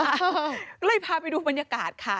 ก็เลยพาไปดูบรรยากาศค่ะ